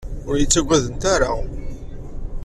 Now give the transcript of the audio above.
Ur iyi-ttagadent ara.